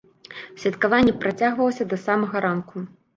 Святкаванне працягвалася да самага ранку.